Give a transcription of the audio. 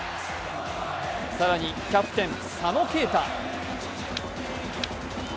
更にキャプテン・佐野恵太。